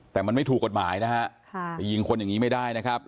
แต่มันไม่ถูกกฎหมายนะฮะไปยิงคนอย่างนี้ไม่ได้นะครับ